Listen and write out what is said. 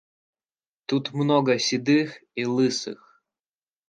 — Тут много седых и лысых.